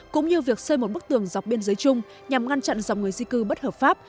cũng như việc xây một bức tường dọc biên giới chung nhằm ngăn chặn dòng người di cư bất hợp pháp